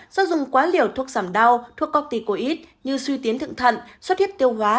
do dùng quá liều thuốc giảm đau thuốc corticoid như suy tiến thượng thận suất hiếp tiêu hóa